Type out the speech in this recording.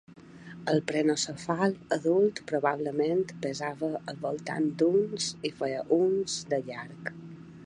El "Prenocephale" adult probablement pesava al voltant d'uns (...) i feia uns (...) de llarg.